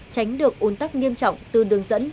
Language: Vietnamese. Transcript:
tránh được ôn tắc nghiêm trọng từ đường dẫn